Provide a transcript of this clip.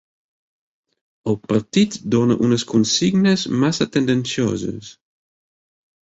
El partit dona unes consignes massa tendencioses.